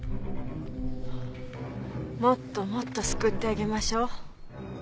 もっともっと救ってあげましょう。